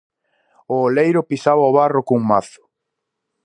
O oleiro pisaba o barro cun mazo.